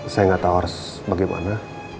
saya nggak tahu harus bagaimana